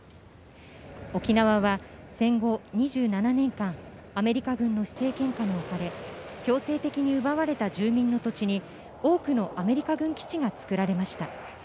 沖縄は戦後２７年間、アメリカ軍の施政権下に置かれ、強制的に奪われた住民の土地に多くのアメリカ軍基地が造られました。